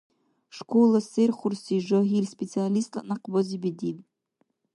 Школа серхурси жагьил специалистла някъбази бедиб.